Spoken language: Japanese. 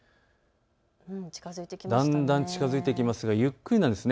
だんだん近づいてきますがゆっくりなんです。